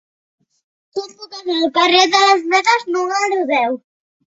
Com puc anar al carrer de les Medes número deu?